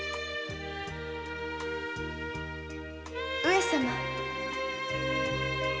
上様。